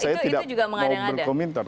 saya tidak mau berkomentar